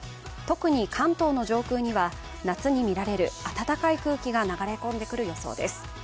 特に関東の上空には夏に見られる暖かい空気が流れ込んでくる予想です。